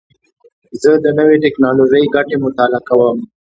زه د نوې ټکنالوژۍ ګټې مطالعه کوم.